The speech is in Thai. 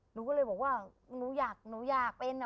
หนูก็เลยบอกว่าหนูอยากหนูอยากเป็น